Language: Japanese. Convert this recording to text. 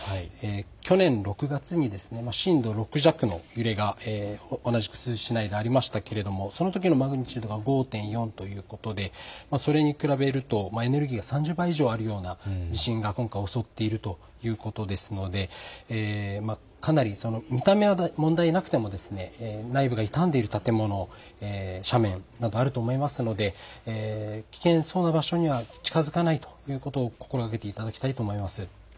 去年６月に震度６弱の揺れが同じく珠洲市内でありましたけれども、そのときのマグニチュードが５．４ということでそれに比べるとエネルギーは３０倍以上あるような地震が今回、襲っているということですので見た目は問題なくても内部が傷んでいる建物、斜面などあると思いますので危険そうな場所には近づかないということを心がけていただきたいと思います。